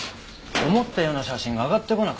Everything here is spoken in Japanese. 思ったような写真が上がってこなくて。